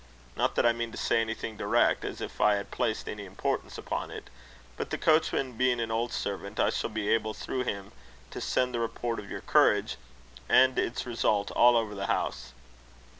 Not that I mean to say anything direct, as if I placed any importance upon it; but, the coachman being an old servant, I shall be able through him, to send the report of your courage and its result, all over the house."